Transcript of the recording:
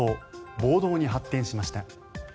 暴動に発展しました。